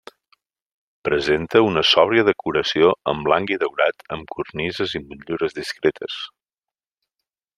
Presenta una sòbria decoració en blanc i daurat amb cornises i motllures discretes.